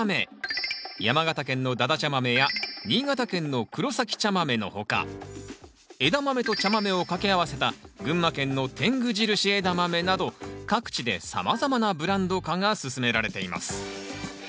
山形県のだだちゃ豆や新潟県の黒埼茶豆の他エダマメと茶豆をかけ合わせた群馬県の天狗印枝豆など各地でさまざまなブランド化が進められています。